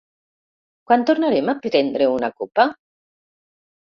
Quan tornarem a prendre una copa?